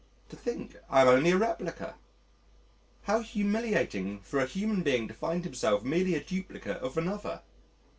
To think I am only a replica: how humiliating for a human being to find himself merely a duplicate of another.